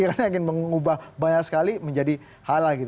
karena ingin mengubah banyak sekali menjadi halal